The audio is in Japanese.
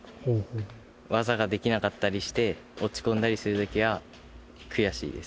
技ができなかったりして、落ち込んだりするときは悔しいです。